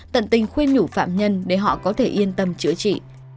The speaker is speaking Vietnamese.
tận tình khuyên nhủ phạm nhân để họ có thể yên tâm chữa trị